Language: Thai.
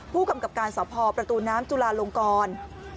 ผู้กำกับการสพประตูน้ำจุลาลงกร